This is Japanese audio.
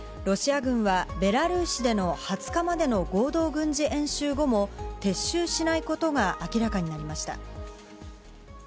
ロシア軍はベラルーシでの２０日までの合同軍事演習後も撤収しないことが明らかになりました。